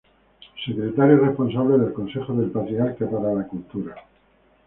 Secretario responsable del Consejo del Patriarca para la cultura.